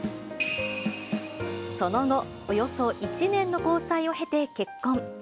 その後、およそ１年の交際を経て結婚。